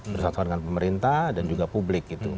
bersama sama dengan pemerintah dan juga publik